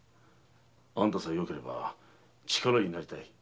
あんたさえよければ力になりたい。